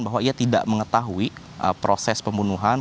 bahwa ia tidak mengetahui proses pembunuhan